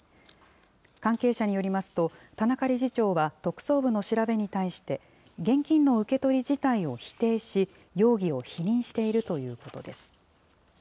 関係者によりますと、田中理事長は特捜部の調べに対して、現金の受け取り自体を否定し、容疑を否認しているということです。